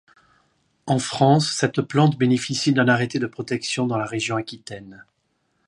En France cette plante bénéficie d'un arrêté de protection dans la région Aquitaine.